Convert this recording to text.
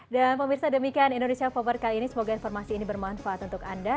dan pemirsa demikian indonesia forward kali ini semoga informasi ini bermanfaat untuk anda